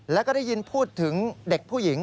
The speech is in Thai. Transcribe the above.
แล้วก็ได้ยินพูดถึงเด็กผู้หญิง